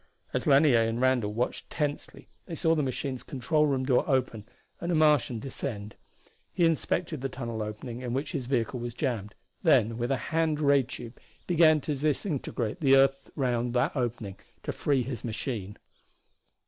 As Lanier and Randall watched tensely they saw the machine's control room door open and a Martian descend. He inspected the tunnel opening in which his vehicle was jammed, then with a hand ray tube began to disintegrate the earth around that opening to free his machine.